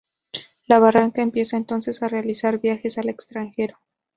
La Barranca empieza entonces a realizar viajes al extranjero.